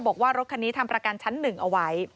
บอกว่ารถคันนี้ทำประกันชั้น๑เอาไว้